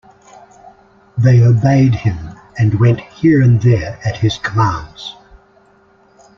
They obeyed him, and went here and there at his commands.